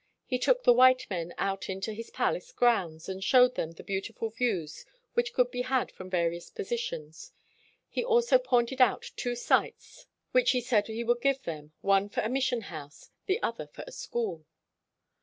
He took the white men out into his palace grounds and showed them the beautiful views which could be had from various po sitions. He also pointed out two sites which 81 WHITE MAN OF WORK he said he would give them, one for a mis sion house, the other for a school.